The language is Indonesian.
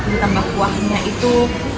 ditambah kuahnya itu